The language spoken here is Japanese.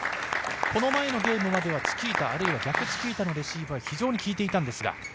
この前のゲームまではチキータ、逆チキータのレシーブは非常に効いていたんですが。